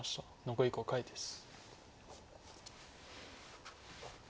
残り５回です。